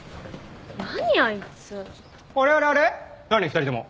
２人とも。